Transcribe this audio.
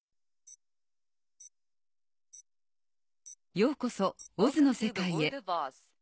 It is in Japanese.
ようこそ「ＯＺ」の世界へ。